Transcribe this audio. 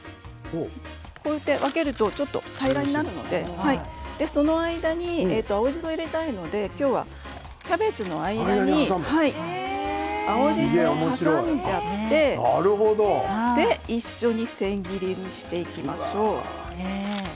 分けるとちょっと平らになるのでその間に青じそを入れたいので今日はキャベツの間に青じそを挟んじゃって一緒に千切りにしていきましょう。